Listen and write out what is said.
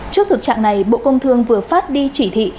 trước thực trạng này bộ công thương vừa phát đi chỉ thị